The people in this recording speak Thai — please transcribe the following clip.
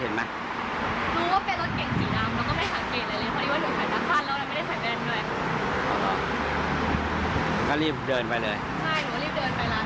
ใช่หรือว่ารีบเดินไปร้านสนุกต่อ